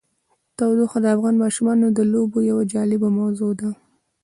تودوخه د افغان ماشومانو د لوبو یوه جالبه موضوع ده.